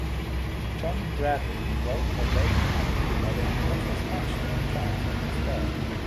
John Bradley wrote for Rain Taxi that it "offers much to entrance and disturb".